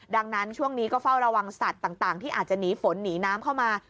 ดังนั้นช่วงนี้ก็เฝ้าระวังสัตว์ต่างที่อาจจะหนีฝนหนีน้ำเข้ามา